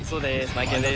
マエケンです。